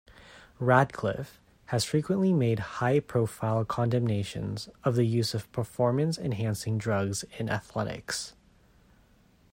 Radcliffe has frequently made high-profile condemnations of the use of performance-enhancing drugs in athletics.